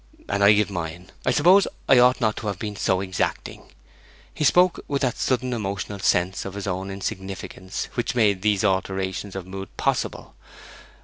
'And I give mine. I suppose I ought not to have been so exacting!' He spoke with that sudden emotional sense of his own insignificance which made these alternations of mood possible.